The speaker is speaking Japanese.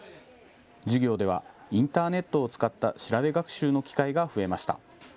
授業ではインターネットを使った調べ学習の機会が増えました。